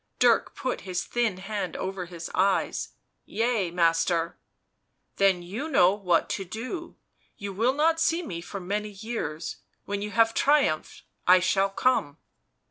Dirk put his thin hand over his eyes. " Yea, master." " Then you know what to do. You will not see me for many years — when you have triumphed I shall come."